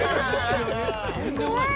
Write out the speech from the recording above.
怖い！